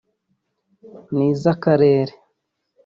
n’iz’akarere